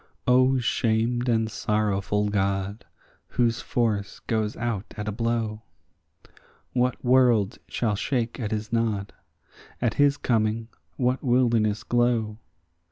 O shamed and sorrowful God, whose force goes out at a blow! What world shall shake at his nod? at his coming what wilderness glow?